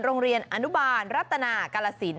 โรงเรียนอนุบาลรัฐนากรรศิลป์